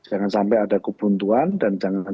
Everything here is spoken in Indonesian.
jangan sampai ada kebuntuan dan jangan